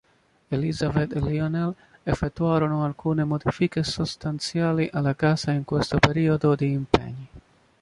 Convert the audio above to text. Elizabeth e Lionel effettuarono alcune modifiche sostanziali alla casa in questo periodo di impegni.